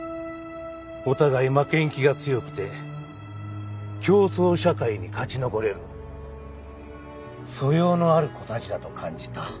お互い負けん気が強くて競争社会に勝ち残れる素養のある子たちだと感じた。